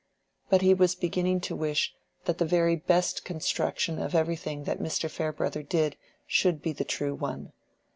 But he was beginning to wish that the very best construction of everything that Mr. Farebrother did should be the true one.